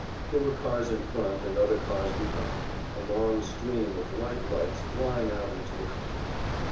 There were cars in front, and other cars behind, a long stream of white lights flying out into the country.